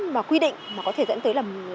mà quy định có thể dẫn tới là